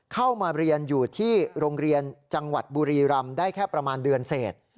เข้ามาเรียนอยู่ที่โรงเรียนจังหวัดบุรีรำได้แค่ประมาณเดือนเศษ